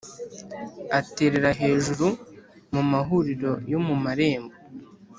Aterera hejuru mu mahuriro yo mu marembo,